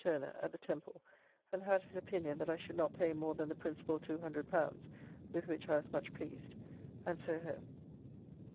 Turner at the Temple, and had his opinion that I should not pay more than the principal L200, with which I was much pleased, and so home.